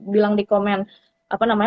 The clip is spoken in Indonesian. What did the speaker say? bilang di komen apa namanya